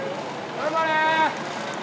頑張れー！